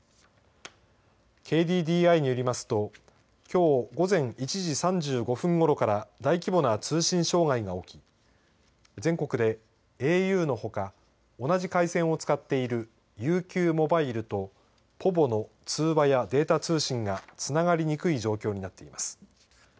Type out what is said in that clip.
ＫＤＤＩによりますときょう午前１時３５分ごろから大規模な通信障害が起き全国でａｕのほか同じ回線を使っているＵＱモバイルとｐｏｖｏの通話やデータ通信がつながりにくい状況になっています。